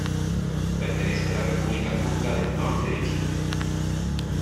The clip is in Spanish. Pertenece a la República Turca del Norte de Chipre.